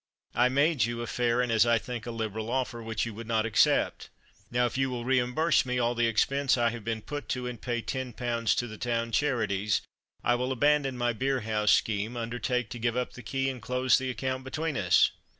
I made you a fair, and, as I think, a liberal offer, which you would not accept. Now, if you will reimburse me all the expense I have been put to, and pay 10 pounds to the town charities, I will abandon my beer house scheme, undertake to give up the key, and close the account between us."